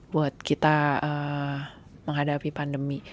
buat kita menghadapi pandemi